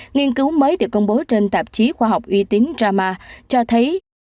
nghiên cứu mới được công bố trên tạp chí khoa học uy tín rama cho thấy